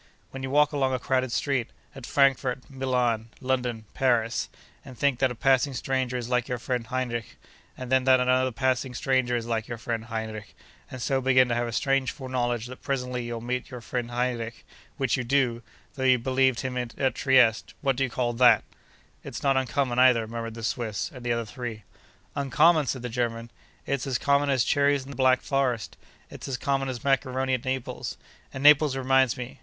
When you walk along a crowded street—at Frankfort, Milan, London, Paris—and think that a passing stranger is like your friend Heinrich, and then that another passing stranger is like your friend Heinrich, and so begin to have a strange foreknowledge that presently you'll meet your friend Heinrich—which you do, though you believed him at Trieste—what do you call that?' 'It's not uncommon, either,' murmured the Swiss and the other three. 'Uncommon!' said the German. 'It's as common as cherries in the Black Forest. It's as common as maccaroni at Naples. And Naples reminds me!